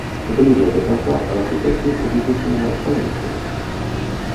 Бліжэй да канца рашучасці у бізнесмена паменшылася.